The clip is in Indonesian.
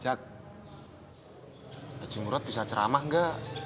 jak taci murad bisa ceramah gak